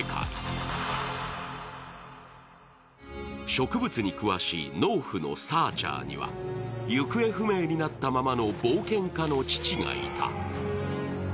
植物に詳しい農夫のサーチャーには、行方不明になったままの冒険家の父がいた。